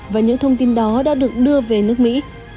và những thông tin đó đã được đưa về nước mỹ